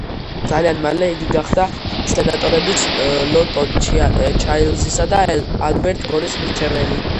ძალიან მალე იგი გახდა სენატორების ლოტონ ჩაილზისა და ალბერტ გორის მრჩეველი.